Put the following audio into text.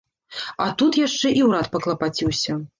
А тут яшчэ і ўрад паклапаціўся.